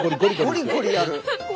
ゴリゴリやる！